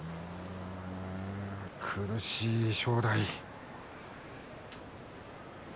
苦しい正代。